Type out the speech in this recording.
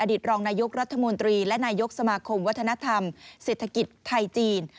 ตรองนายกรัฐมนตรีและนายกสมาคมวัฒนธรรมเศรษฐกิจไทยจีน